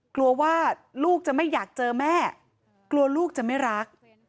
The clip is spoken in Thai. กลัวว่าลูกจะไม่อยากเจอแม่กลัวลูกจะไม่รัก